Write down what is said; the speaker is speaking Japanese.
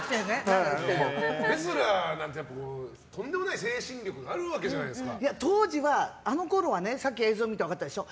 レスラーなんてとんでもない精神力が当時は、あのころはさっき映像見て分かったでしょ